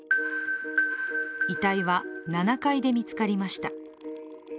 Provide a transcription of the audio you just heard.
遺体は、７階で見つかりました。